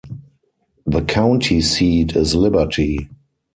The county seat is Liberty.